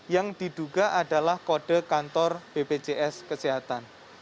yang diduga adalah kode kantor bpjs kesehatan